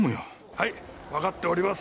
はいわかっております。